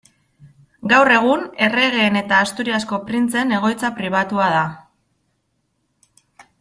Gaur egun, erregeen eta Asturiasko Printzeen egoitza pribatua da.